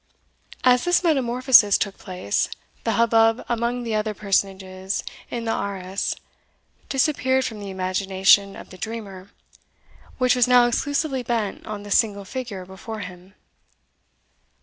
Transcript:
As this metamorphosis took place, the hubbub among the other personages in the arras disappeared from the imagination of the dreamer, which was now exclusively bent on the single figure before him.